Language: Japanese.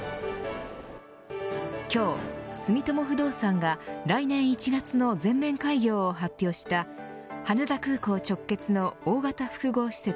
今日、住友不動産が来年１月の全面開業を発表した羽田空港直結の大型複合施設